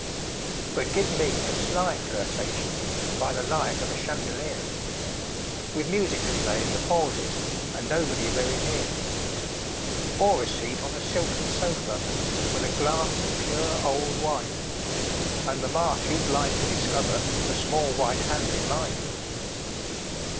But give me a sly flirtation By the light of a chandelier With music to play in the pauses, And nobody very near; Or a seat on a silken sofa, With a glass of pure old wine, And mamma too blind to discover The small white hand in mine.